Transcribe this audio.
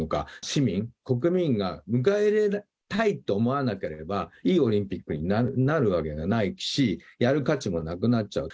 市民、国民が、迎え入れたいと思わなければ、いいオリンピックになるわけがないし、やる価値もなくなっちゃう。